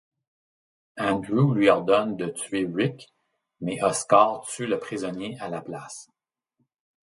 Andrew lui ordonne de tuer Rick, mais Oscar tue le prisonnier à la place.